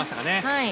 はい。